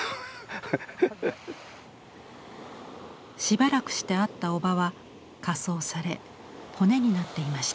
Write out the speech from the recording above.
ハハハッ。しばらくして会ったおばは火葬され骨になっていました。